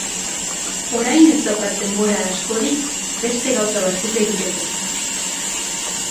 Orain ez daukat denbora askorik beste gauza batzuk egiteko.